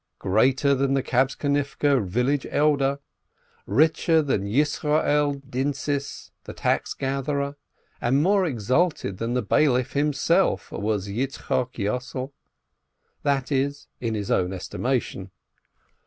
Greater than the Kabtzonivke village elder, richer than Yisroel Din tzis, the tax gatherer, and more exalted than the bailiff himself was Yitzchok Yossel, that is, in his own esti mation.